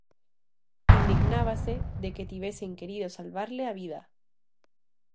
Indignábase de que tivesen querido salvarlle a vida.